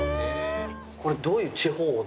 これどういう地方で？